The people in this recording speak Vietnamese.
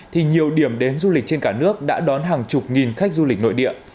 thì nhiều điểm đến du lịch trên cả nước đã đón hàng chục nghìn khách du lịch nội địa